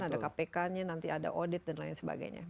ada kpk nya nanti ada audit dan lain sebagainya